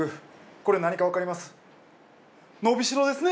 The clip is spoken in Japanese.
これ何かわかります？